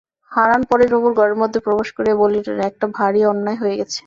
হারান পরেশবাবুর ঘরের মধ্যে প্রবেশ করিয়াই বলিয়া উঠিলেন, একটা ভারি অন্যায় হয়ে গেছে।